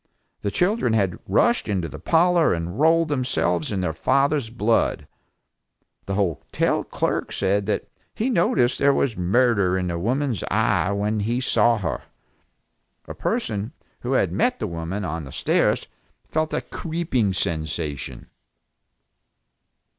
The children had rushed into the parlor and rolled themselves in their father's blood. The hotel clerk said that he noticed there was murder in the woman's eye when he saw her. A person who had met the woman on the stairs felt a creeping sensation.